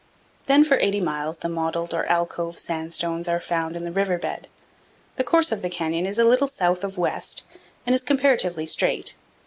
Then for 80 miles the mottled, or alcove, sandstones are found in the river bed. The course of the canyon is a little south of west and is comparatively straight.